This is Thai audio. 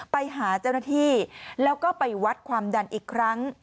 ไปหาเจ้าหน้าที่แล้วก็ไปวัดความดันอีกครั้ง